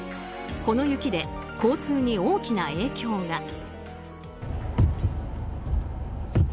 この雪で、交通に大きな影響が。